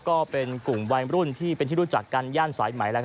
ก็เป็นกลุ่มวัยรุ่นที่เป็นที่รู้จักกันย่านสายไหม